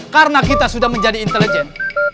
karena kita sudah menjadi intelijen